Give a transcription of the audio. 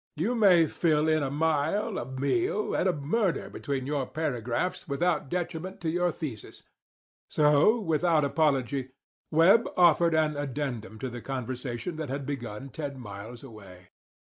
You may fill in a mile, a meal, and a murder between your paragraphs without detriment to your thesis. So, without apology, Webb offered an addendum to the conversation that had begun ten miles away.